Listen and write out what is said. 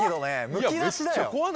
むき出しだよ。